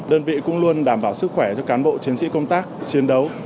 đơn vị cũng luôn đảm bảo sức khỏe cho cán bộ chiến sĩ công tác chiến đấu